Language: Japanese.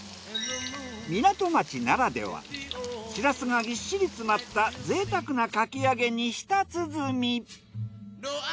港町ならではしらすがぎっしり詰まった贅沢なかき揚げに舌鼓。